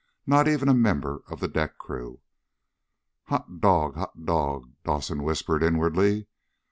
Not even a member of the deck crew. "Hot dog, hot dog!" Dawson whispered inwardly.